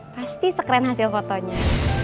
pasti sekeren hasil fotonya